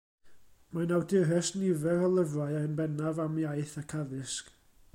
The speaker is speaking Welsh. Mae'n awdures nifer o lyfrau, yn bennaf am iaith ac addysg.